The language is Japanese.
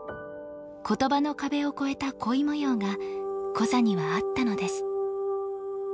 言葉の壁を越えた恋模様がコザにはあったのです